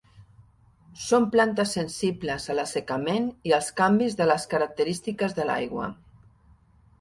Són plantes sensibles a l'assecament i als canvis de les característiques de l'aigua.